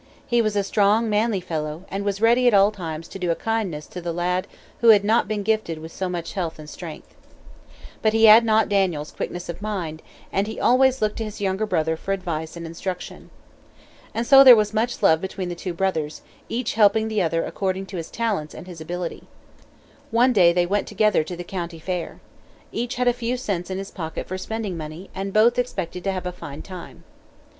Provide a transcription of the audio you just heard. He was a strong, manly fellow, and was ready at all times to do a kindness to the lad who had not been gifted with so much health and strength. But he had not Daniel's quickness of mind, and he always looked to his younger brother for advice and instruction. And so there was much love between the two brothers, each helping the other according to his talents and his ability. One day they went together to the county fair. Each had a few cents in his pocket for spending money, and both expected to have a fine time.